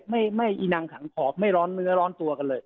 ไม่อีนังขังขอบไม่ร้อนเนื้อร้อนตัวกันเลย